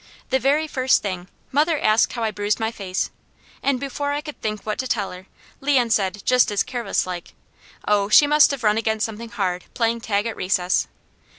The very first thing, mother asked how I bruised my face, and before I could think what to tell her, Leon said just as careless like: "Oh she must have run against something hard, playing tag at recess."